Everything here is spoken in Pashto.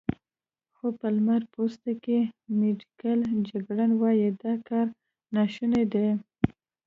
خو په لمړی پوسته کې، میډیکل جګړن وايي، دا کار ناشونی دی.